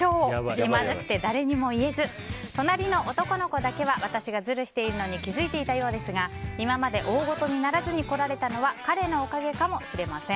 気まずくて誰にも言えず隣の男の子だけは私がずるしていたのに気づいていたようですが今まで大ごとにならずに来られたのは彼のおかげかもしれません。